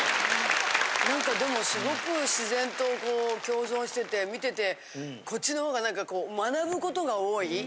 なんかでもすごく自然とこう共存してて見ててこっちの方がなんかこう学ぶ事が多い。